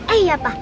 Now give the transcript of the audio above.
eh ya pak